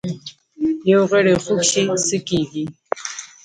یو غړی خوږ شي څه کیږي؟